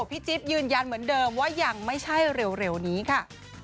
พี่จิ๊บยืนยันเหมือนเดิมว่ายังไม่ใช่เร็วนี้ค่ะ